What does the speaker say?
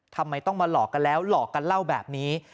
ทำไมต้องมาหลอกกันแล้วหลอกกันเล่าแบบนี้